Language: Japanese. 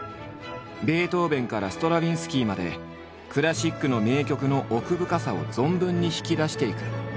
ベートーベンからストラヴィンスキーまでクラシックの名曲の奥深さを存分に引き出していく。